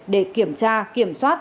để kiểm tra kiểm soát